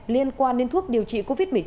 liên quan đến thuốc điều trị covid một mươi chín